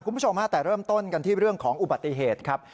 คุณผู้ชมฮะแต่เริ่มต้นกันที่เรื่องของอุบัติเหตุครับ